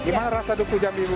apa rasa duku jambi bu